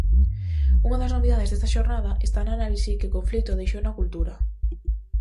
Unha das novidades desta xornada está na análise que o conflito deixou na cultura.